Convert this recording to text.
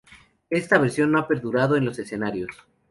Esta versión no ha perdurado en los escenarios.